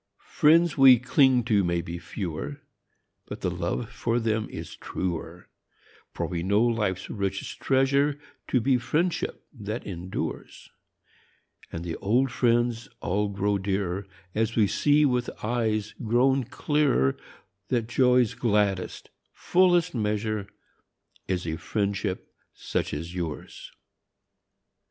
Is a F riends xv)e clinq to mau be fe^Oer, But the loOe jor them is truer; fbr \Oe know life s richest treasure To be friendship that em dures, And the old jriends all qroxO dearer & As vOe see \oith eues qro\On clearer That joq's gladdest, fullest measure ' Is a friendship such as Ljours.